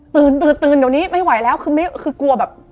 ตื่นตื่นเดี๋ยวนี้ไม่ไหวแล้วคือกลัวแบบ